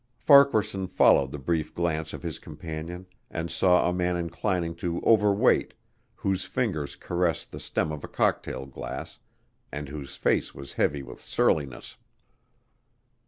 Farquaharson followed the brief glance of his companion and saw a man inclining to overweight whose fingers caressed the stem of a cocktail glass, and whose face was heavy with surliness.